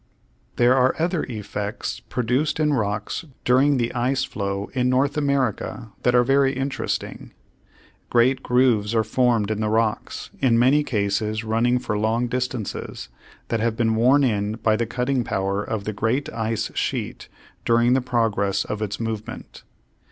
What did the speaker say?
There are other effects produced in rocks during the ice flow in North America that are very interesting. Great grooves are formed in the rocks, in many cases running for long distances, that have been worn in by the cutting power of the great ice sheet during the progress of its movement.